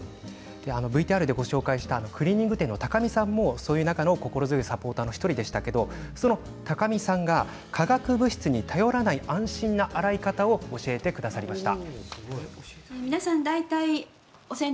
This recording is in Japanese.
ＶＴＲでご紹介したクリーニング店の高見さんもそういう中の心強いサポーターの１人でしたが高見さんが化学物質に頼らない安心な洗い方を教えてくださいました。